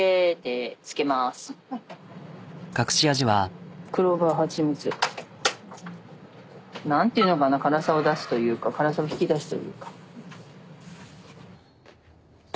隠し味は。なんていうのかな辛さを出すというか辛さを引き出すというか。